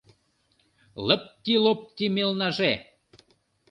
Лыпти-лопти мелнаже